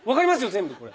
全部これ。